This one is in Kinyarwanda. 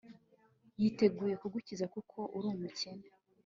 yiteguye kugukiza, kuko uri umukene